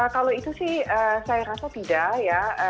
kalau itu sih saya rasa tidak ya